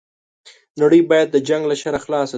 نړۍ بايد د جنګ له شره خلاصه شي